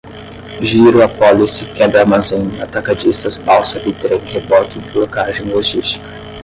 giro apólice quebra armazém atacadistas balsa bi-trem reboque blocagem logística